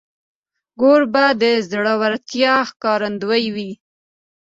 کوربه د زړورتیا ښکارندوی وي.